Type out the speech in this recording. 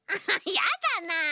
やだなあ